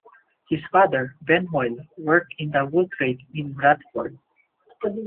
His father, Ben Hoyle, worked in the wool trade in Bradford.